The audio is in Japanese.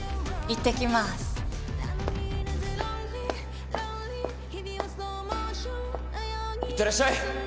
いってらっしゃい。